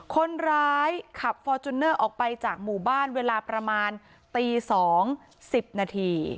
คนร้ายขับฟอร์จุนเนอร์ออกไปจากหมู่บ้านเวลาประมาณตีสองสิบนาที